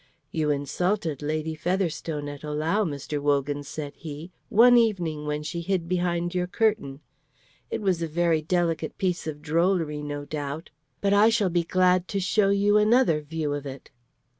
'You insulted Lady Featherstone at Ohlau, Mr. Wogan,' said he, 'one evening when she hid behind your curtain. It was a very delicate piece of drollery, no doubt. But I shall be glad to show you another, view of it.'